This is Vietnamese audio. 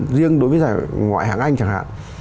riêng đối với ngoại hãng anh chẳng hạn